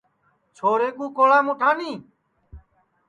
چھورے کُو کولام اُٹھانی